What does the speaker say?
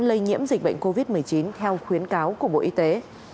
lây nhiễm dịch bệnh covid một mươi chín theo khuyến cáo của bộ y tế